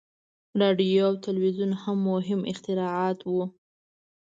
• راډیو او تلویزیون هم مهم اختراعات وو.